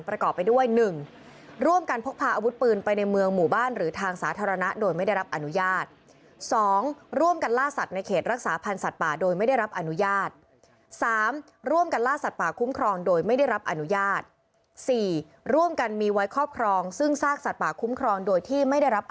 ประกอบไปด้วย๑ร่วมกันพกพาอาวุธปืนไปในเมืองหมู่บ้านหรือทางสาธารณะโดยไม่ได้รับอนุญาต๒ร่วมกันล่าสัตว์ในเขตรักษาพันธ์สัตว์ป่าโดยไม่ได้รับอนุญาต๓ร่วมกันล่าสัตว์ป่าคุ้มครองโดยไม่ได้รับอนุญาต๔ร่วมกันมีไว้ครอบครองซึ่งซากสัตว์ป่าคุ้มครองโดยที่ไม่ได้รับ